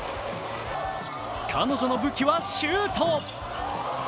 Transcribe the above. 彼女の武器はシュート。